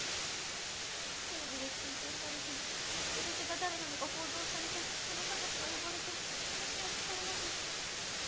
テレビで中継されて人質が誰なのか報道されてその家族が呼ばれて話を聞かれなきゃ。